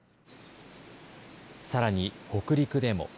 さらに北陸でも。